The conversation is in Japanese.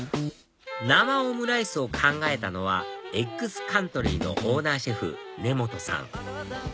生オムライスを考えたのはエッグスカントリーのオーナーシェフ根本さん